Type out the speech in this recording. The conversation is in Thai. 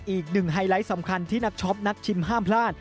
อีกหนึ่งไฮไลท์สำคัญที่นักช็อปนักชิมห้ามพลาด